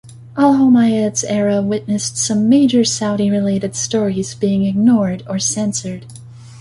Alhomayed's era witnessed some major Saudi-related stories being ignored or censored.